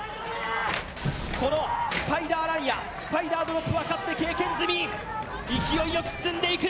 このスパイダーランやスパイダードロップはかつて経験済み、勢いよく進んでいく。